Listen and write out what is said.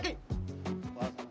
kalian pernah puasa nggak